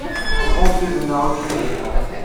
Bḍumt yid-nteɣ učči-nkent.